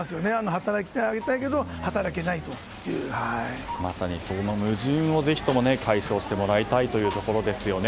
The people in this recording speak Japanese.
働いてあげたいけどまさにその矛盾を解消してもらいたいところですね。